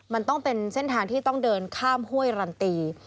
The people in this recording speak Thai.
มันต้องเป็นเส้นทางที่ต้องเดินข้ามห้วยรันตี